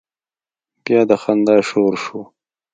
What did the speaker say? بيا د خندا شور شو.